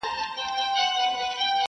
• خو زړې نښې لا شته تل,